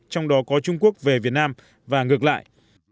trong đó có trung quốc về việt nam và ngược lại